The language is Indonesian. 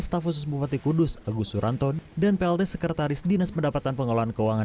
staf khusus bupati kudus agus suranton dan plt sekretaris dinas pendapatan pengelolaan keuangan